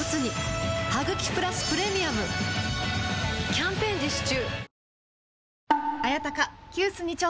キャンペーン実施中